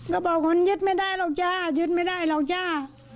ก็บอกคนยึดไม่ได้หรอกจ้ายึดไม่ได้หรอกจ้า